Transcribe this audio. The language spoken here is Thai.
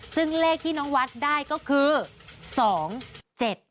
ซึ่งเลขที่น้องวัตรได้ก็คือ